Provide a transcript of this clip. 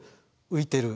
浮いてる？